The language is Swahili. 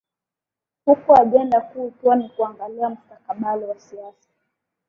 huku ajenda kuu ikiwa ni kuangalia mustakabali wa siasa